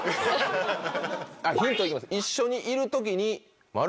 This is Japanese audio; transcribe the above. ヒント行きますよ。